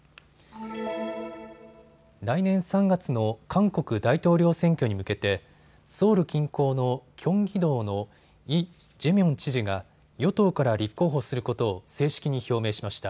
来年３月の韓国大統領選挙に向けてソウル近郊のキョンギ道のイ・ジェミョン知事が与党から立候補することを正式に表明しました。